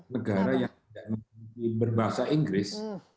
negara yang tidak berbahasa inggris